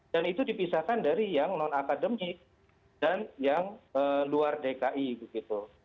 dan itu dipisahkan dari yang non akademik dan yang luar dki begitu